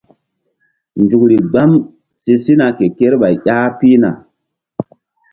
Nzukri gbam si sina ke kerɓay ƴah pihna.